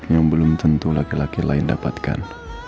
yang belum tentu laki laki lain dapatkan